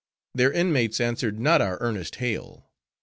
Their inmates answered not our earnest hail.